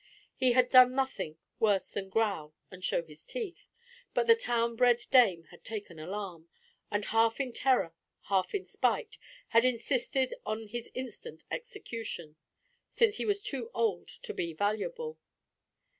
He had done nothing worse than growl and show his teeth, but the town bred dame had taken alarm, and half in terror, half in spite, had insisted on his instant execution, since he was too old to be valuable.